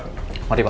terima kasih pak